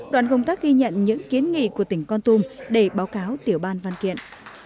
đoàn công tác ghi nhận những kiến nghị của tỉnh con tum để báo cáo tiểu ban văn kiện